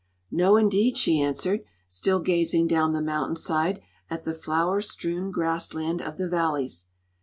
"No, indeed," she answered, still gazing down the mountain side at the flower strewn grass land of the valleys.